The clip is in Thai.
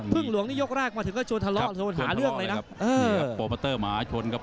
พึ่งหวงที่ยกแรกมาถึงกลดหละ